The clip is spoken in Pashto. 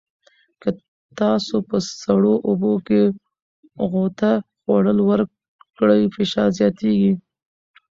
که تاسو په سړو اوبو کې غوطه خوړل وکړئ، فشار زیاتېږي.